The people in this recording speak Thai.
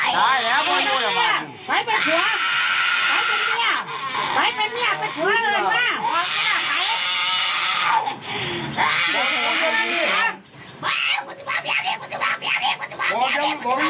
จัดอย่าวะรู้จักไหมจัดอย่าวะปล่อยไว้ไปเป็นทิวัฒน์